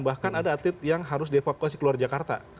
bahkan ada atlet yang harus di evakuasi keluar jakarta